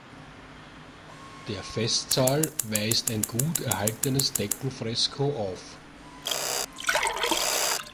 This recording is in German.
Der Festsaal weist ein gut erhaltenes Deckenfresko auf.